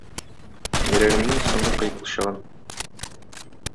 Йөрәгемнең соңгы кыйпылчыгын...